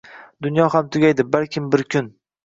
Dunyo ham tugaydi, balkim, bir kuni